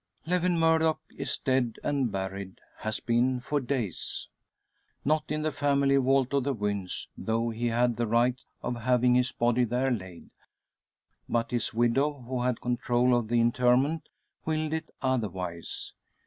Lewin Murdock is dead, and buried has been for days. Not in the family vault of the Wynns, though he had the right of having his body there laid. But his widow, who had control of the interment, willed it otherwise.